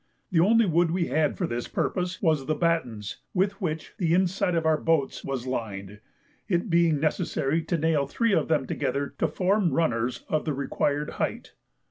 The only wood we had for this purpose was the battens with which the inside of our boats was lined, it being necessary to nail three of them together to form runners of the required height.